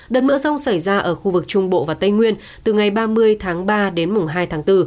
đợt mưa rông xảy ra ở khu vực trung bộ và tây nguyên từ ngày ba mươi tháng ba đến mùng hai tháng bốn